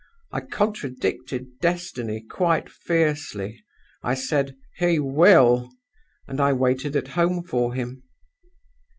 I contradicted Destiny quite fiercely. I said, 'He will!' and I waited at home for him.